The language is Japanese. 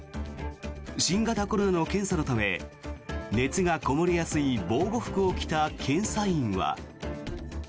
新型コロナの検査のため熱がこもりやすい防護服を着た検査員は。